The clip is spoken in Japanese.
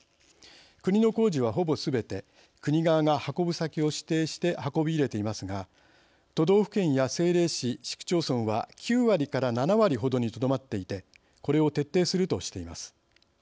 国の工事は、ほぼすべて国側が運ぶ先を指定して運び入れていますが都道府県や政令市、市区町村は９割から７割ほどにとどまっていてこれを徹底するとしています。